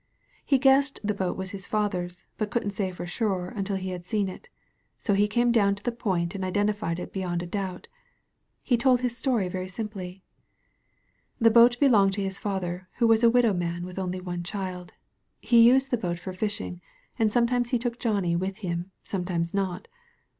He guessed the boat was his father's, but couldn't say for sure until he had seen it. So he came down to the point and identified it beyond a doubt. He told his story very simply. "The boat belonged to his father, who was a widow man with only one child. He used the boat for fishing, and sometimes he took Johnny with him, sometimes not.